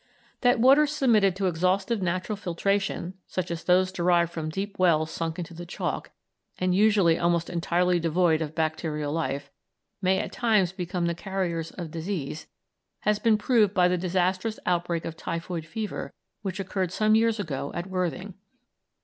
That waters submitted to exhaustive natural filtration, such as those derived from deep wells sunk into the chalk, and usually almost entirely devoid of bacterial life, may at times become the carriers of disease has been proved by the disastrous outbreak of typhoid fever which occurred some years ago at Worthing.